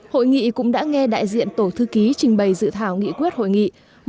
hội nghị cũng đã nghe đại diện tổ thư ký trình bày dự thảo nghị quyết hội nghị